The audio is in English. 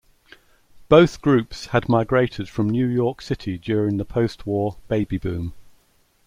Both groups had migrated from New York City during the post-war "baby boom".